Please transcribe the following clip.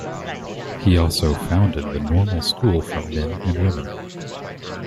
He also founded the Normal School for Men and Women.